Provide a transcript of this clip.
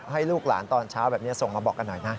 ให้ลูกหลานตอนเช้าแบบนี้ส่งมาบอกกันหน่อยนะ